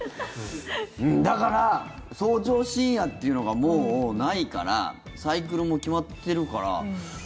だから早朝深夜というのがもうないからサイクルも決まってるから。